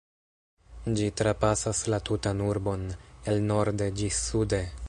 Ĝi trapasas la tutan urbon, el norde ĝis sude.